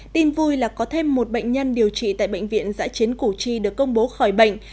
tin vui là có thêm một bệnh nhân điều trị tại bệnh viện giãi chiến củ chi được công bố khỏi bệnh